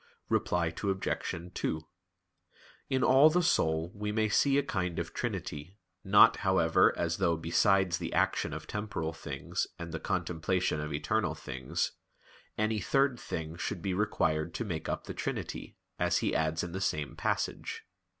Reply Obj. 2: In all the soul we may see a kind of trinity, not, however, as though besides the action of temporal things and the contemplation of eternal things, "any third thing should be required to make up the trinity," as he adds in the same passage.